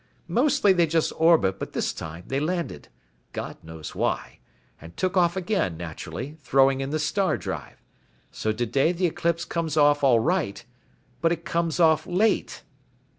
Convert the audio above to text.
Mostly they just orbit but this time they landed. God knows why. And took off again, naturally, throwing in the star drive. So today the eclipse comes off all right, but it comes off late."